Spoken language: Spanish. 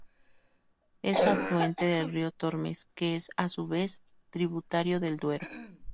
Es afluente del río Tormes, que es a su vez tributario del Duero.